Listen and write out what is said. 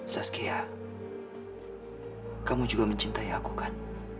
saskia kamu juga mencintai aku kan